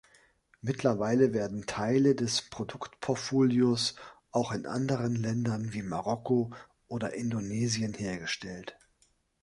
Mittlerweile werden Teile des Produktportfolios auch in anderen Ländern wie Marokko oder Indonesien hergestellt.